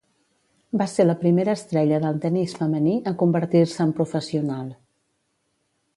Va ser la primera estrella del tennis femení a convertir-se en professional.